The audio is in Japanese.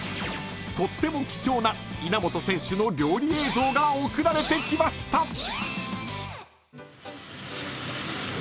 ［とっても貴重な稲本選手の料理映像が送られてきました］